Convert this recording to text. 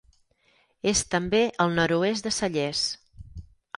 És també al nord-oest de Cellers.